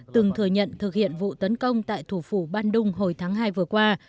từng thừa nhận thực hiện vụ tấn công tại thủ phủ bandung hồi tháng hai vừa qua